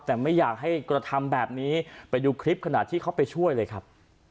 แต่ไม่อยากให้กระทำแบบนี้ไปดูคลิปขณะที่เขาไปช่วยเลยครับ